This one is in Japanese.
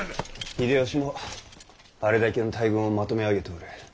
秀吉もあれだけの大軍をまとめ上げておる。